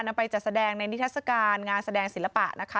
นำไปจัดแสดงในนิทัศกาลงานแสดงศิลปะนะคะ